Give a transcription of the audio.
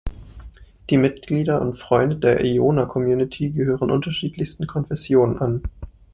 Die Mitglieder und Freunde der Iona Community gehören unterschiedlichsten Konfessionen an.